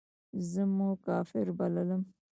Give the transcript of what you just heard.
زه مو کافر بللم.